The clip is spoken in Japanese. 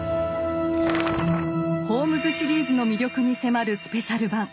ホームズ・シリーズの魅力に迫るスペシャル版。